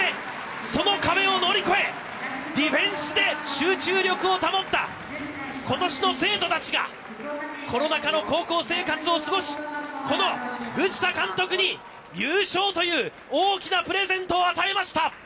その壁を乗り越え、ディフェンスで集中力を保ったことしの生徒たちが、コロナ禍の高校生活を過ごし、この藤田監督に優勝という大きなプレゼントを与えました。